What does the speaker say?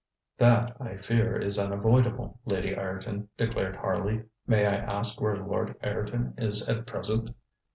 ŌĆØ ŌĆ£That, I fear, is unavoidable, Lady Ireton, ŌĆØ declared Harley. ŌĆ£May I ask where Lord Ireton is at present?